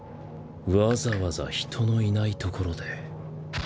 わざわざ人のいない所で。